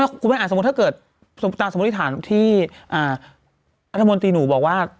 เออคุณแม่งถ้าเกิดตามสมุทิฐานที่อาธรรมนตรีหนูบอกว่า